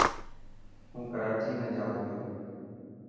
هون ڪراچي ۾ جايو هي.